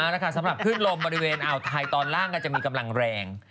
แล้วค่ะสำหรับขึ้นลมบริเวณอ่าวไทยตอนล่างก็จะมีกำลังแรง